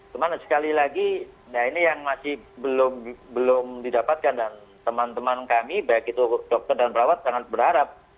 cuman sekali lagi nah ini yang masih belum didapatkan dan teman teman kami baik itu dokter dan perawat sangat berharap